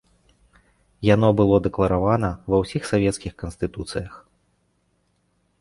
Яно было дэкларавана ва ўсіх савецкіх канстытуцыях.